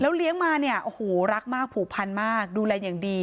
เลี้ยงมาเนี่ยโอ้โหรักมากผูกพันมากดูแลอย่างดี